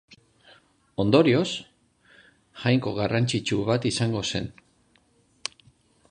Ondorioz, jainko garrantzitsu bat izango zen.